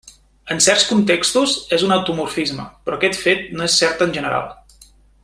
En certs contextos és un automorfisme, però aquest fet no és cert en general.